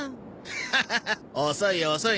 ハハハ遅い遅い。